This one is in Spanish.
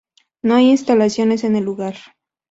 No hay instalaciones en el lugar.